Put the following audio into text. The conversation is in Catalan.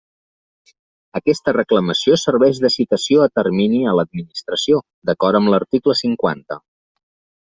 Aquesta reclamació serveix de citació a termini a l'administració, d'acord amb l'article cinquanta.